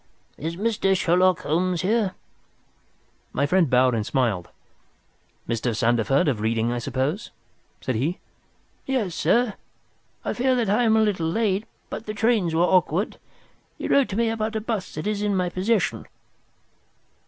"Is Mr. Sherlock Holmes here?" My friend bowed and smiled. "Mr. Sandeford, of Reading, I suppose?" said he. "Yes, sir, I fear that I am a little late, but the trains were awkward. You wrote to me about a bust that is in my possession."